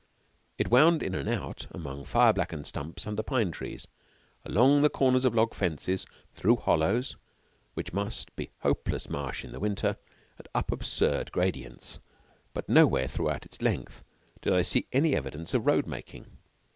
It wound in and out among fire blackened stumps under pine trees, along the corners of log fences, through hollows, which must be hopeless marsh in the winter, and up absurd gradients. But nowhere throughout its length did I see any evidence of road making.